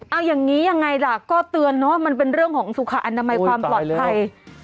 เอาอย่างนี้ยังไงล่ะก็เตือนเนอะมันเป็นเรื่องของสุขอนามัยความปลอดภัย